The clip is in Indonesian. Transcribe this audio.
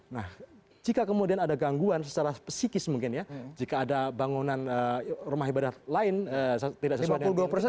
nah jika kemudian ada gangguan secara psikis mungkin ya jika ada bangunan rumah ibadah lain tidak sesuai dengan dua persen